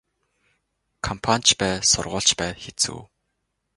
Компани ч бай сургууль ч бай хэцүү.